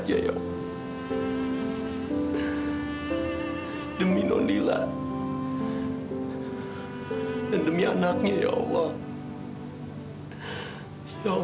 tante indi tante yang sabar ya